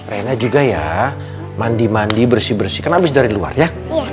rena juga ya mandi mandi bersih bersihkan abis dari luar ya